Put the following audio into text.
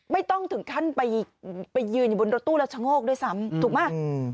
ไม่ต้องถึงขั้นไปยืนอยู่บนรถตู้แล้วชะโงกด้วยซ้ำถูกไหม